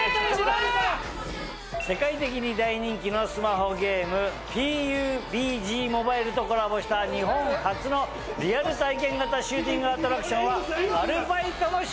世界的に大人気のスマホゲームＰＵＢＧモバイルとコラボした日本初のリアル体験型シューティングアトラクションはアルバイトも主役！